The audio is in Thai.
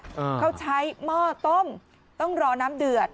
เขาใช้หม้อต้มต้องรอน้ำเดือด